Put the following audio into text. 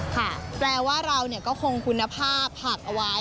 แปลว่าเราก็คงคุณภาพผักเอาไว้